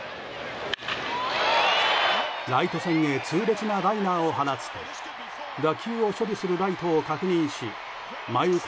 ライト線へ痛烈なライナーを放つと打球を処理するライトを確認し迷う